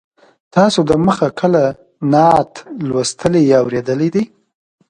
تاسو د مخه کله نعت لوستلی یا اورېدلی دی.